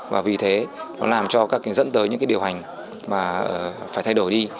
và vì thế nó làm cho các cái dẫn tới những cái điều hành mà phải thay đổi đi